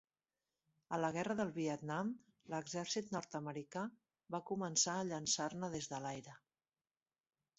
A la guerra del Vietnam, l'exèrcit nord-americà va començar a llançar-ne des de l'aire.